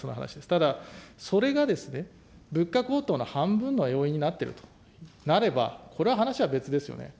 ただそれがですね、物価高騰の半分の要因になっているとなれば、これは話は別ですよね。